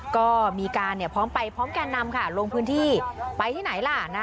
ก็มีการพร้อมไปพร้อมแก่นำค่ะลงพื้นที่ไปที่ไหนล่ะ